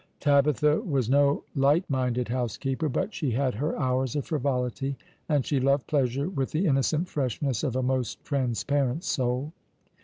Tabitha was no light minded housekeeper, but she had her hours of frivolity, and she loved pleasure with the innocent freshness of a most transparent soul.